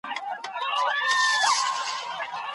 د اهل ذمه وو حقوق بايد تر پښو لاندې نه سي.